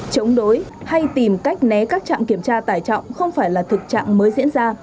chống đối hay tìm cách né các trạm kiểm tra tải trọng không phải là thực trạng mới diễn ra